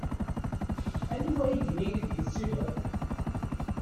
Aniwa igenni ideg i tettiliḍ?